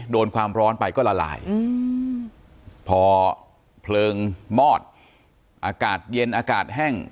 ความร้อนไปก็ละลายพอเพลิงมอดอากาศเย็นอากาศแห้ง